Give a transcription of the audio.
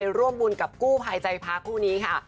เป็นร่วมบุญกับกู้ภายใจภาคคู่นี้ค่ะ